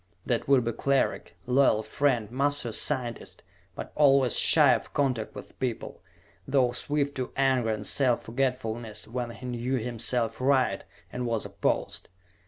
That would be Cleric, loyal friend, master scientist, but always shy of contact with people, though swift to anger and self forgetfulness when he knew himself right and was opposed.